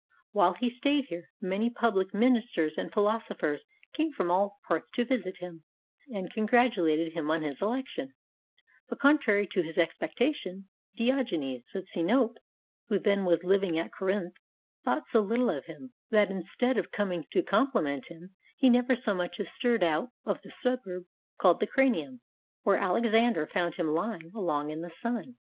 While he stayed here, many public minis ters and philosophers came from all parts to visit him, and congratulated him on his election, but contrary to his expectation, Diogenes of Sinope, who then was liv ing at Corinth, thought so little of him, that instead of comJng to compliment him, he nevei so much as stirred out of the suburb called the Cranium, where Alexander found him lying along in the sun.